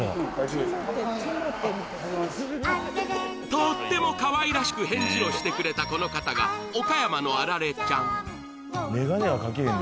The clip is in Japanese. とってもかわいらしく返事をしてくれたこの方が岡山のアラレちゃん